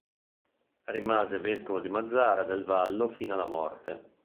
Rimase vescovo di Mazara del Vallo fino alla morte.